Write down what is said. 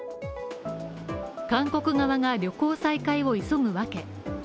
韓国側が旅行再開を急ぐ訳。